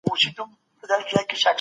دا د دوی مسؤليت دی.